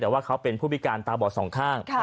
แต่ว่าเขาเป็นผู้พิการตาบอดสองข้าง